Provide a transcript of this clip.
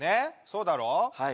そうだろは